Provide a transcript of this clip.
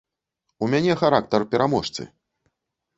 У мяне характар пераможцы.